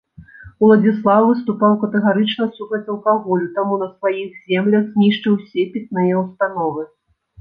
Уладзіслаў выступаў катэгарычна супраць алкаголю, таму на сваіх землях знішчыў усе пітныя ўстановы.